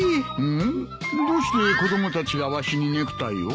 うん？どうして子供たちがわしにネクタイを？